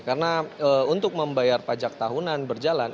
karena untuk membayar pajak tahunan berjalan